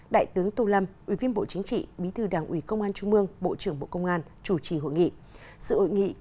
đại tướng tô lâm ủy viên bộ chính trị bí thư đảng ủy công an trung mương bộ trưởng bộ công an chủ trì hội nghị